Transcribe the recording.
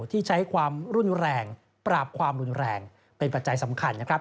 ที่ใช้ความรุนแรงปราบความรุนแรงเป็นปัจจัยสำคัญนะครับ